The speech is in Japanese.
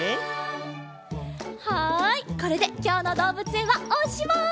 はいこれできょうのどうぶつえんはおしまい！